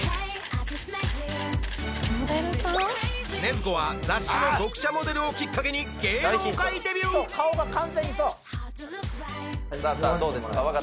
禰豆子は雑誌の読者モデルをきっかけに芸能界デビューさあさあどうですか？